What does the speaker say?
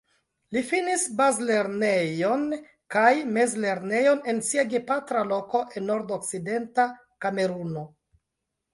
Li finis bazlernejon kaj mezlernejon en sia gepatra loko en Nordokcidenta Kameruno.